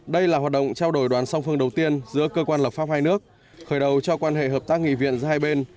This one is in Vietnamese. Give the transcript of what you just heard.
đây là hoạt động trao đổi đoàn song phương đầu tiên giữa cơ quan lập pháp hai nước khởi đầu cho quan hệ hợp tác nghị viện giữa hai bên